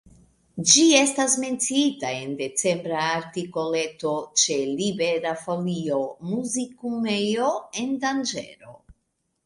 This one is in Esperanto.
Ĝi estis menciita en decembra artikoleto ĉe Libera Folio, Muzikumejo en danĝero.